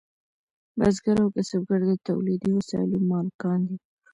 بزګر او کسبګر د تولیدي وسایلو مالکان دي.